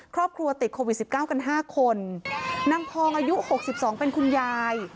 ครอบครัวติดโควิด๑๙กัน๕คนนางพองอายุ๖๒เป็นคุณยาย